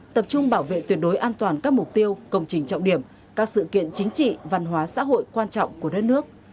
tập trung bảo vệ tuyệt đối an toàn các mục tiêu công trình trọng điểm các sự kiện chính trị văn hóa xã hội quan trọng của đất nước